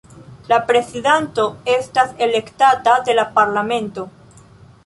La prezidanto estas elektata de la parlamento.